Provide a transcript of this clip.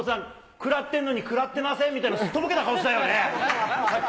食らってるのに食らってませんみたいな、すっとぼけた顔したよね、さっき。